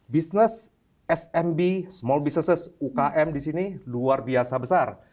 bisnis smb small business ukm di sini luar biasa besar